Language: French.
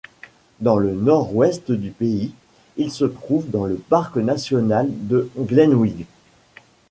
Dans le nord-ouest du pays, il se trouve dans le parc national de Glenveagh.